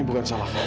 ini bukan salah kak